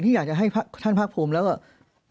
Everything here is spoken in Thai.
เพราะอาชญากรเขาต้องปล่อยเงิน